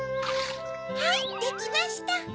はいできました。